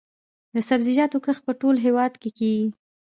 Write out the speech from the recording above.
د سبزیجاتو کښت په ټول هیواد کې کیږي